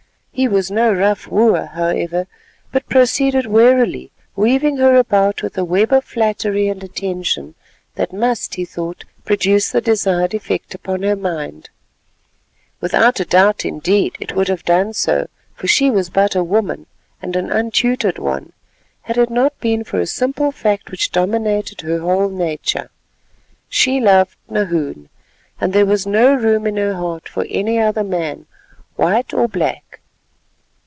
He was no rough wooer, however, but proceeded warily, weaving her about with a web of flattery and attention that must, he thought, produce the desired effect upon her mind. Without a doubt, indeed, it would have done so—for she was but a woman, and an untutored one—had it not been for a simple fact which dominated her whole nature. She loved Nahoon, and there was no room in her heart for any other man, white or black.